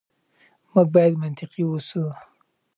موږ بايد منطقي اوسو.